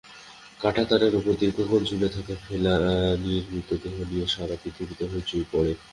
কাঁটাতারের ওপর দীর্ঘক্ষণ ঝুলে থাকা ফেলানীর মৃতদেহ নিয়ে সারা পৃথিবীতে হইচই পড়ে।